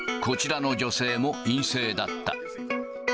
こちらの女性も陰性だった。